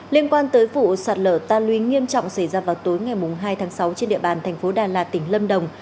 liên quan tới vụ sạt lở ta luy nghiêm trọng xảy ra vào tối ngày hai tháng sáu trên địa bàn thành phố đà lạt tỉnh lâm đồng